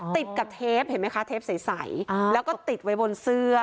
ติดกับเทปเห็นไหมคะเทปใสแล้วก็ติดไว้บนเสื้อ